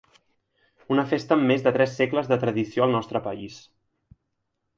Una festa amb més de tres segles de tradició al nostre país.